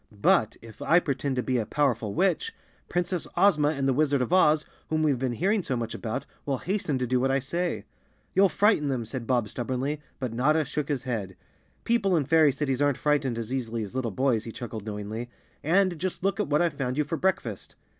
But if I pretend to be a powerful witch, Princess Ozma and the Wizard of Oz, whom we've been hearing so much about, will hasten to do what I say." "You'll frighten them," said Bob stubbornly, but Notta shook his head. "People in fairy cities aren't frightened as easily as little boys," he chuckled knowingly. "And just look what I've found you for breakfast!"